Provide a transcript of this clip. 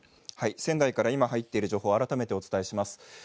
仙台から今入っている情報を改めてお伝えします。